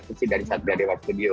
sisi dari satria dewa studio